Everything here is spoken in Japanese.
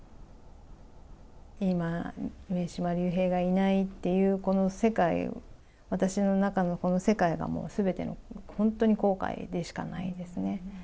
今、上島竜兵がいないっていうこの世界、私の中のこの世界がもうすべての後悔でしかないですね。